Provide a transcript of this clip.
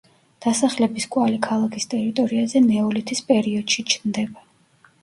დასახლების კვალი ქალაქის ტერიტორიაზე ნეოლითის პერიოდში ჩნდება.